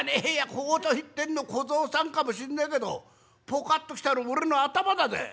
小言言ってんの小僧さんかもしんねえけどポカッと来たの俺の頭だで！